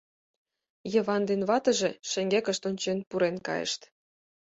Йыван ден ватыже, шеҥгекышт ончен, пурен кайышт.